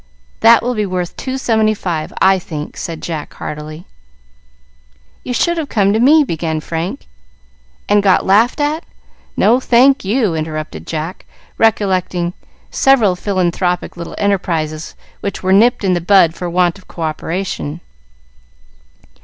That will be worth two seventy five, I think," said Jack heartily. "You should have come to me," began Frank. "And got laughed at no, thank you," interrupted Jack, recollecting several philanthropic little enterprises which were nipped in the bud for want of co operation.